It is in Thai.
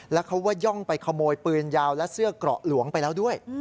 แล้วเขาว่าย่องไปขโมยปืนยาวและเสื้อเกราะหลวงไปแล้วด้วย